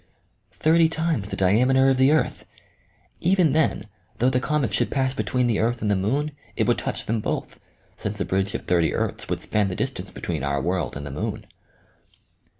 Thirty times the diameter of the earth ! Kven then, though the comet should pass between the earth and the moon, it would touch them both, since a bridge of thirty earths would span the distance between our world and the moon.